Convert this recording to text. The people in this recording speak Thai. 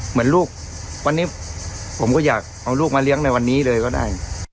เหมือนลูกวันนี้ผมก็อยากเอาลูกมาเลี้ยงในวันนี้เลยก็ได้